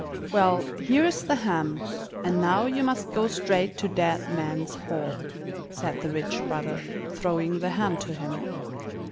"Well, here is the ham, and now you must go straight to Dead Man's Hall," said the rich brother, throwing the ham to him.